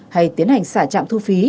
hay tiến hành xả chạm thu phí